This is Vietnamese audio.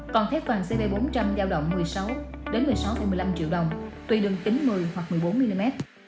còn thép toàn cv bốn trăm linh giao động một mươi sáu một mươi sáu một mươi năm triệu đồng tùy đường kính một mươi hoặc một mươi bốn mm